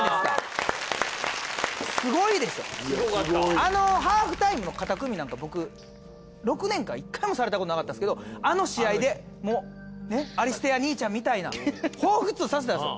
あのハーフタイムの肩組みなんか僕６年間１回もされたことなかったですけどあの試合でもうねアリステア兄ちゃんみたいなほうふつとさせたんですよ